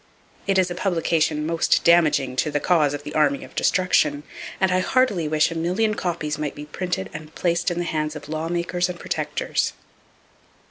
It is a publication most damaging to the cause of the Army of Destruction, and I heartily wish a million copies might be printed and placed in the hands of lawmakers and protectors.